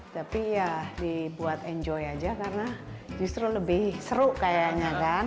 tapi ya dibuat enjoy aja karena justru lebih seru kayaknya kan